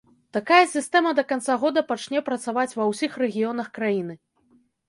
Такая сістэма да канца года пачне працаваць ва ўсіх рэгіёнах краіны.